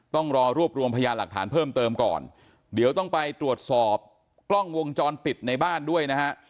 ต้องรอรวบรวมพยานหลักฐานเพิ่มเติมก่อนเดี๋ยวต้องไปตรวจสอบกล้องวงจรปิดในบ้านด้วยนะฮะ